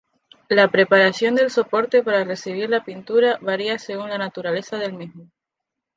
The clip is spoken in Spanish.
La preparación del soporte para recibir la pintura varía según la naturaleza del mismo.